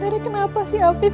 ini sebenarnya kenapa sih afif